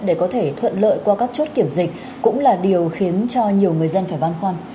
để có thể thuận lợi qua các chốt kiểm dịch cũng là điều khiến cho nhiều người dân phải băn khoăn